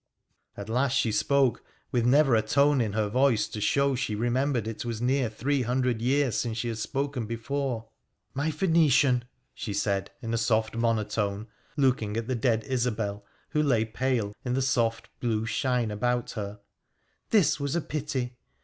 At last she spoke, with never a 822 WONDERFUL ADVENTURES OF tone in her voice to show she remembered it was near threo hundred years since she had spoken before. ' My Phoenician,' she said in soft monotone, looking at the dead Isobel who lay pale in the soft blue shine about her, ' this was a pity.